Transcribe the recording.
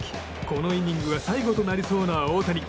このイニングが最後となりそうな大谷。